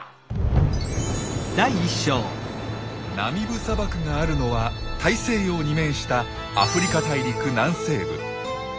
ナミブ砂漠があるのは大西洋に面したアフリカ大陸南西部。